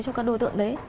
cho các đối tượng đấy